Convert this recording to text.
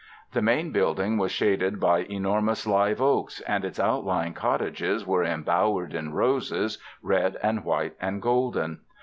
The main building was shaded by enormous live oaks, and its outlying cottages were embowered in roses, red and white and golden.